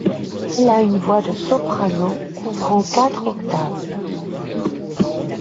Elle a une voix de soprano couvrant quatre octaves.